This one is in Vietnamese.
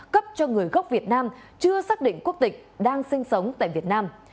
cấp cho người gốc việt nam chưa xác định quốc tịch đang sinh sống tại việt nam